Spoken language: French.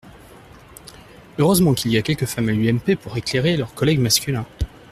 Heureusement qu’il y a quelques femmes à l’UMP pour éclairer leurs collègues masculins.